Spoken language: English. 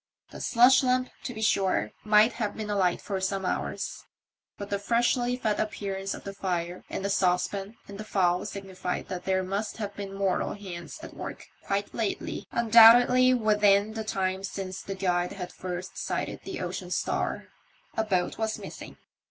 The slush lamp, to be sure, might have been alight for some hours, but the freshly fed appearance of the fire and the saucepan and the fowl signified that there must have been mortal hands at work quite lately — undoubtedly within the time since the Guide had first sighted the Ocean Star. A boat was missing.